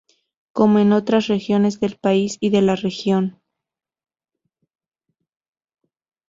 Como en otras regiones del país y de la región.